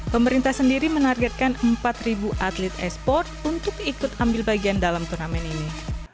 pemerintah sendiri menargetkan empat atlet e sport untuk ikut ambil bagian dalam turnamen ini